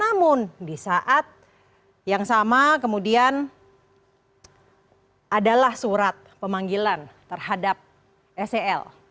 namun di saat yang sama kemudian adalah surat pemanggilan terhadap sel